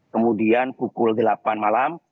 kemudian pukul delapan malam